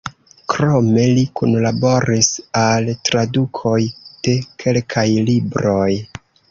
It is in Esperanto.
Krome li kunlaboris al tradukoj de kelkaj libroj.